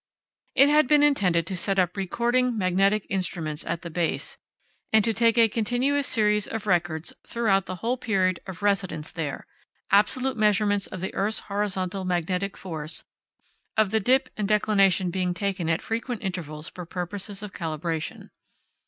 It had been intended to set up recording magnetic instruments at the base, and to take a continuous series of records throughout the whole period of residence there, absolute measurements of the earth's horizontal magnetic force, of the dip and declination being taken at frequent intervals for purposes of calibration.